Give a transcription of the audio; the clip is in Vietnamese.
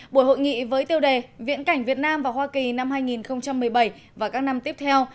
buổi hội nghị với tiêu đề viễn cảnh việt nam và hoa kỳ năm hai nghìn một mươi bảy và các năm tiếp theo